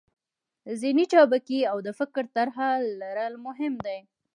ذهني چابکي او د فکر طرحه لرل مهم دي.